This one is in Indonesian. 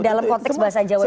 dalam konteks bahasa jawa itu